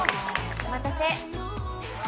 お待たせ。